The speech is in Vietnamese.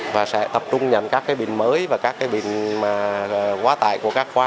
và sẽ tập trung nhận các bệnh mới và các bệnh quá tải của các khoa